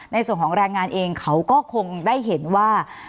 ในส่วนของแรงงานเองเขาก็คงได้เห็นว่า